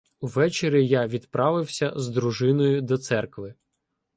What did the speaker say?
Увечері я відправився з дружиною до церкви.